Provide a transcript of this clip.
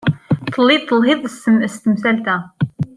Tellid telhid-d s temsalt-a.